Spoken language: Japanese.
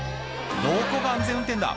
どこが安全運転だ